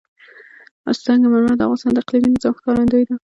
سنگ مرمر د افغانستان د اقلیمي نظام ښکارندوی ده.